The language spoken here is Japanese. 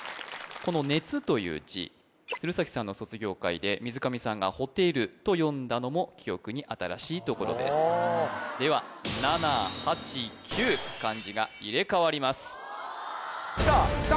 この熱という字鶴崎さんの卒業回で水上さんがほてると読んだのも記憶に新しいところですでは７８９漢字が入れ替わりますきた！